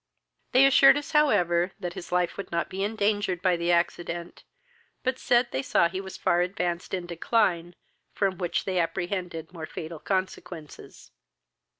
They assured us, however, that his life would not be endangered by the accident, but said, they saw he was far advanced in decline, from which they apprehended more fatal consequences.